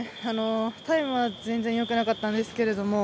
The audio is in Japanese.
タイムは全然、よくなかったんですが。